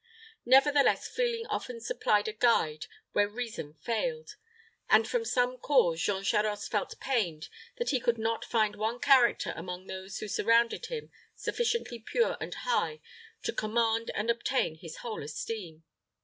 Nevertheless, feeling often supplied a guide where reason failed, and from some cause Jean Charost felt pained that he could not find one character among those who surrounded him sufficiently pure and high to command and obtain his whole esteem.